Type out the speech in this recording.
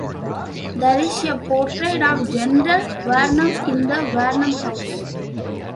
There is a portrait of General Varnum in the Varnum house.